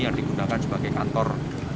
yang digunakan sebagai kantor